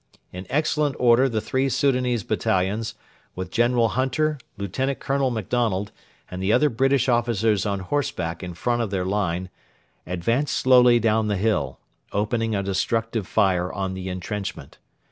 In excellent order the three Soudanese battalions, with General Hunter, Lieut. Colonel MacDonald, and the other British officers on horseback in front of their line, advanced slowly down the hill, opening a destructive fire on the entrenchment.